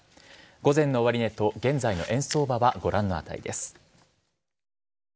午前の終値と現在の円相場はご覧の値です。